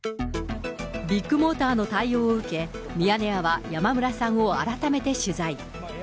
ビッグモーターの対応を受け、ミヤネ屋は、山村さんを改めて取材。